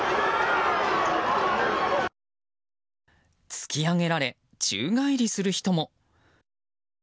突き上げられ、宙返りする人も。